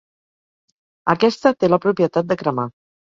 Aquesta té la propietat de cremar.